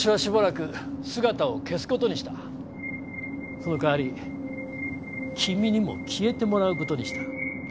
その代わり君にも消えてもらう事にした。